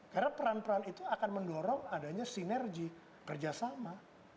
karena peran peran itu akan mendorong adanya sinergi kerjasama